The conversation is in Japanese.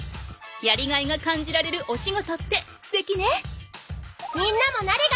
やりがいが感じられるお仕事ってすてきね。